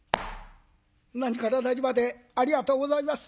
「何から何までありがとうございます。